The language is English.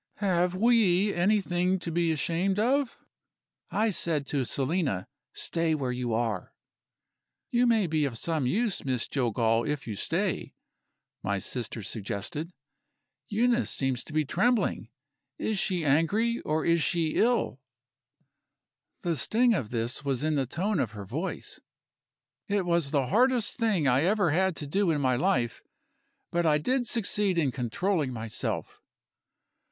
"Have we anything to be ashamed of?" I said to Selina. "Stay where you are." "You may be of some use, Miss Jillgall, if you stay," my sister suggested. "Eunice seems to be trembling. Is she angry, or is she ill?" The sting of this was in the tone of her voice. It was the hardest thing I ever had to do in my life but I did succeed in controlling myself.